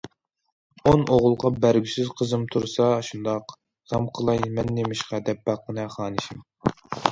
ئون ئوغۇلغا بەرگۈسىز قىزىم تۇرسا ئاشۇنداق، غەم قىلاي مەن نېمىشقا دەپ باققىنە خانىشىم.